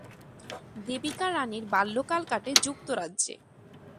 দেবিকা রাণীর বাল্যকাল কাটে যুক্তরাজ্যে।